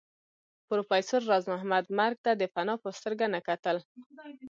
پروفېسر راز محمد مرګ ته د فناء په سترګه نه کتل